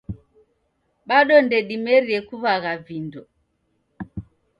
Bado ndedimerie kuwagha vindo